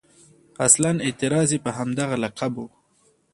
اصلاً اعتراض یې په همدغه لقب و.